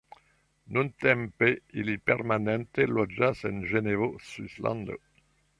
Nuntempe ili permanente loĝas en Ĝenevo, Svislando.